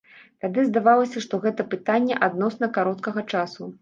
Тады здавалася, што гэта пытанне адносна кароткага часу.